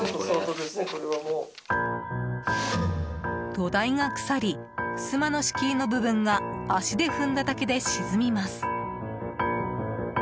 土台が腐りふすまの敷居の部分が足で踏んだだけで沈みます。